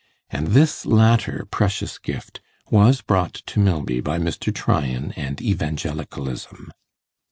And this latter precious gift was brought to Milby by Mr. Tryan and Evangelicalism.